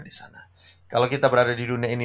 di sana kalau kita berada di dunia ini